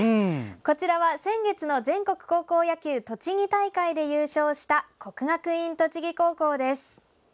こちらは先月の全国高校野球栃木大会で優勝した国学院栃木高校です。